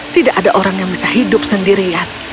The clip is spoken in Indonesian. tidak ada orang yang bisa hidup sendirian